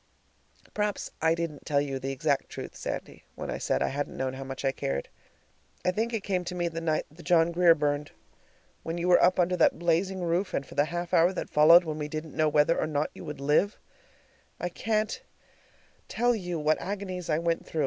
Perhaps I didn't tell you the exact truth, Sandy, when I said I hadn't known how much I cared. I think it came to me the night the John Grier burned. When you were up under that blazing roof, and for the half hour that followed, when we didn't know whether or not you would live, I can't tell you what agonies I went through.